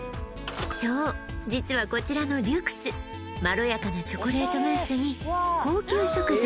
そう実はこちらのリュクスまろやかなチョコレートムースに高級食材